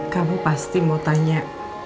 kamu pasti mau tanya